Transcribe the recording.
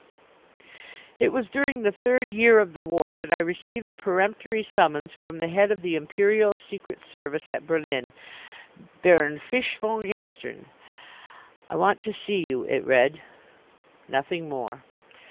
It was during the third year of the war that I received a peremptory summons from the head of the Imperial Secret Service at Berlin, Baron Fisch von Gestern. "I want to see you," it read. Nothing more.